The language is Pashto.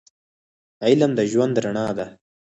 علم د ژوند رڼا ده